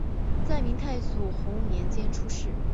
在明太祖洪武年间出仕。